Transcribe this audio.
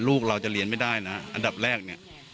ลูกเราจะเรียนไม่ได้นะอันดับแรกเนี่ย